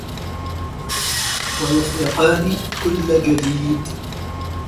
وَيُخْلِقَانِ كُلَّ جَدِيدٍ